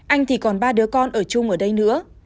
anh thì còn ba đứa con ở chung ở đây nữa